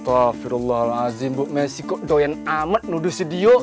tafirullahalazim bu messi kok doyan amat nuduh si dio